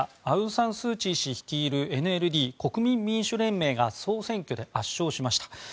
アウン・サン・スー・チー氏率いるＮＬＤ・国民民主連盟が総選挙で圧勝しました。